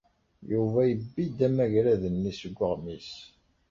Yuba yebbi-d amagrad-nni seg weɣmis.